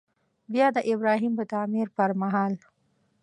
بیا د ابراهیم د تعمیر پر مهال.